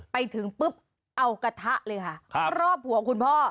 ไปถึงปุ๊บเอากระทะเลเลยค่ะรอบหัวคุณพ่อ